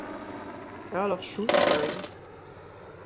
Earl of Shrewsbury.